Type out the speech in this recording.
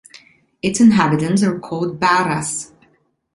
Its inhabitants are called "Barras".